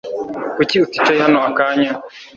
Kuki uticaye hano akanya